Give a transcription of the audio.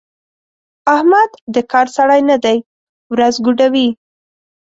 احمد د کار سړی نه دی؛ ورځ ګوډوي.